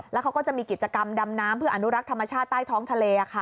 แล้วเขาก็จะมีกิจกรรมดำน้ำเพื่ออนุรักษ์ธรรมชาติใต้ท้องทะเลค่ะ